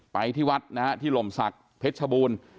ไปที่วัดที่ลมศักดิ์เพชรบูรณ์